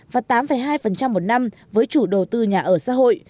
và tám hai một năm với chủ đầu tư nhà ở xã hội